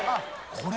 これ。